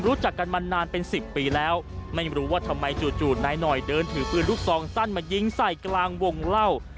รู้จักกันมานานเป็น๑๐ปีแล้วไม่รู้ว่าทำไมจู่นายหน่อยเดินถือปืนลูกซองสั้นมายิงใส่กลางวงเล่า